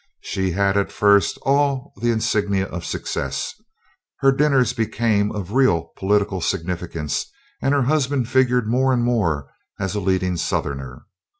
She had at first all the insignia of success. Her dinners became of real political significance and her husband figured more and more as a leading Southerner.